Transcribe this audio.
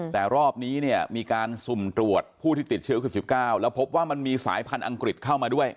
แต่รอบนี้เนี่ยมีการสุ่มตรวจผู้ที่ติดเชื้อคือ๑๙แล้วพบว่ามันมีสายพันธุ์อังกฤษเข้ามาด้วย